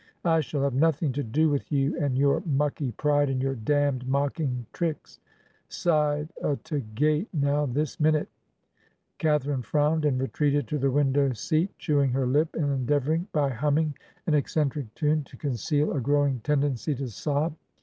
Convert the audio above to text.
'I shall have nothing to do with you and your mucky pride, and your damned mocking tricks. Side o' t' gate, now, this minute!' Catharine frowned, and retreated to the window seat, chewing her lip, and endeavoring, by humming an eccentric tune, to conceal a growing tendency to sob.